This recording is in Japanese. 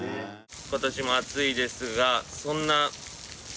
今年も暑いですがそんな多治見は。